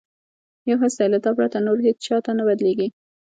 یو حس دی له تا پرته، نور هیڅ چاته نه بدلیږي